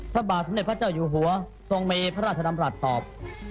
พระบาทสมเด็จพระเจ้าอยู่หัวทรงมีพระราชดำรัฐตอบ